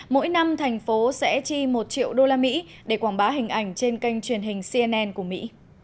mỗi năm thành phố sẽ chi một triệu usd để quảng bá hình ảnh trên kênh truyền hình cnn của mỹ